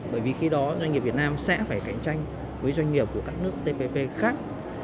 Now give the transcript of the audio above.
bởi vì khi đó doanh nghiệp việt nam sẽ phải cạnh tranh với doanh nghiệp của các nước tpp khác